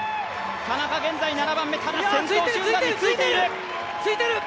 田中、現在７番目、ただ先頭集団についている。